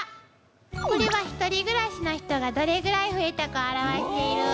これは一人暮らしの人がどれぐらい増えたかを表している。